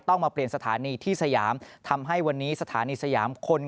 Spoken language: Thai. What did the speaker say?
ต้องมาเปลี่ยนสถานีที่สยาม